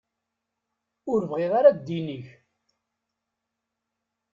Ur bɣiɣ ara ddin-ik.